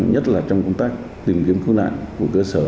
nhất là trong công tác tìm kiếm cứu nạn của cơ sở